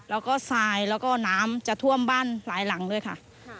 แล้วก็ทรายแล้วก็น้ำจะท่วมบ้านหลายหลังด้วยค่ะ